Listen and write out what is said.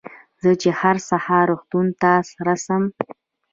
زه چې هر سهار روغتون ته رڅم.